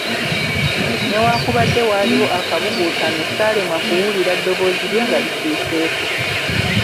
Newakubadde waaliwo akabuguutano saalema kuwulira ddoboozi lye nga likyuseeko.